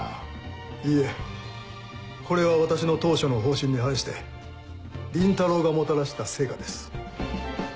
いいえこれは私の当初の方針に反して倫太郎がもたらした成果です。